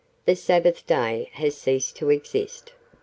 The Sabbath day has ceased to exist."